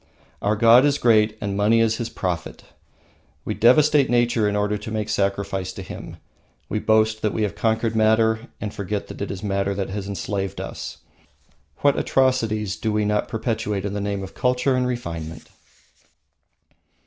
Our god is great, and money is his Prophet! We devastate nature in order to make sacrifice to him. We boast that we have conquered Matter and forget that it is Matter that has enslaved us. What atrocities do we not perpetrate in the name of culture and refinement!